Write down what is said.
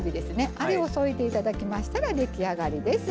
あれを添えて頂きましたら出来上がりです。